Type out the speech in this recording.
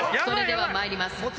それではまいります。